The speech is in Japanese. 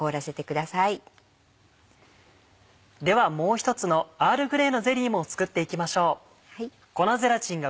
ではもう一つのアールグレーのゼリーも作っていきましょう。